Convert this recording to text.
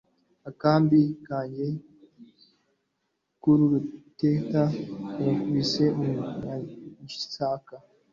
akambi kanjye kurutete nagakubise umunyagisaka